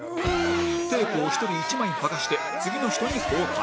テープを１人１枚剥がして次の人に交代